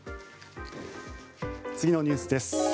次のニュースです。